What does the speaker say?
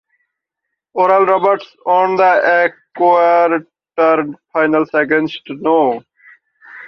Oral Roberts won the quarterfinals against no.